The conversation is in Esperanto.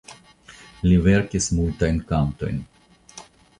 Li verkis multajn kantojn.